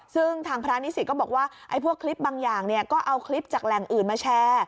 ซึ่งทางพระนิสิตก็บอกว่าพวกคลิปบางอย่างก็เอาคลิปจากแหล่งอื่นมาแชร์